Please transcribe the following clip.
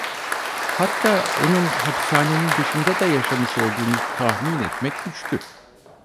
Hatta onun hapishanenin dışında da yaşamış olduğunu tahmin etmek güçtü.